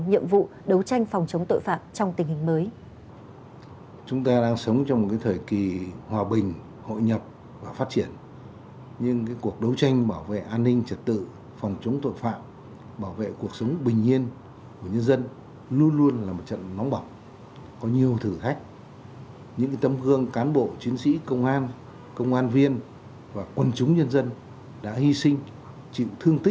nhiệm vụ đấu tranh phòng chống tội phạm trong tình hình mới